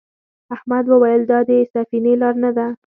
احمد وویل دا د سفینې لار نه ده.